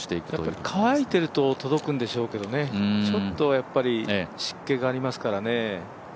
やっぱり乾いてると届くんでしょうけどね、ちょっと湿気がありますからね。